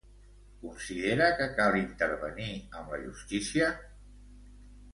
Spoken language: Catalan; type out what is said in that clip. Considera que cal intervenir amb la justícia?